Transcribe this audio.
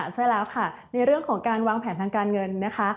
ใช่แล้วค่ะในเรื่องของการวางแผนทางการเงินนะคะ